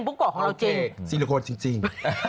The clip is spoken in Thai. บุ๊กบอกของเราจริงโอเคซีลิโคนจริง